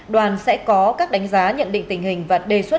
đoàn sẽ có các đánh giá nhận định tình hình và đề xuất